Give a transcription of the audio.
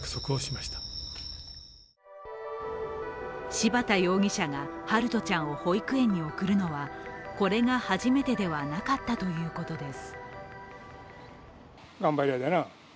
柴田容疑者が陽翔ちゃんを保育園に送るのはこれが初めてではなかったということです。